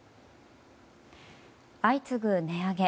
相次ぐ値上げ。